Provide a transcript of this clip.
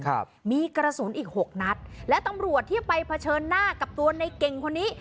ครับมีกระสุนอีกหกนัดและตำรวจที่ไปเผชิญหน้ากับตัวในเก่งคนนี้